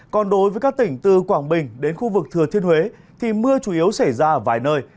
còn đối với các tỉnh từ quảng bình đến khu vực thừa thiên huế thì mưa chủ yếu xảy ra ở vài nơi